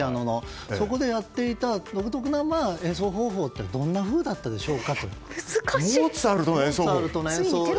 そこでやっていた独特な演奏方法ってどんなものでしょう？